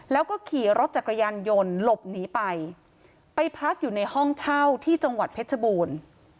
แล้วก็ขี่รถจักรยานยนต์หลบหนีไปไปพักอยู่ในห้องเช่าที่จังหวัดเพชรบูรณ์